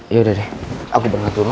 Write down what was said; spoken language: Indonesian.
yaudah deh aku berangkat dulu